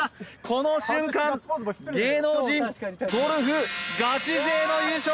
この瞬間芸能人ゴルフガチ勢の優勝！